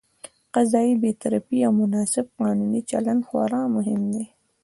قضايي بېطرفي او مناسب قانوني چلند خورا مهم دي.